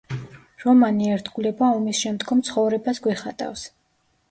რომანი „ერთგულება“ ომისშემდგომ ცხოვრებას გვიხატავს.